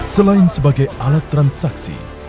selain sebagai alat transaksi